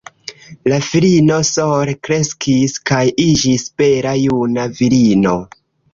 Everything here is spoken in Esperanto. La filino sole kreskis kaj iĝis bela juna virino.